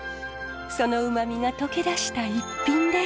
そのうまみがとけ出した逸品です。